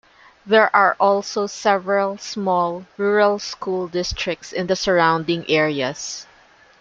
There are also several small rural school districts in the surrounding areas.